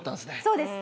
そうです。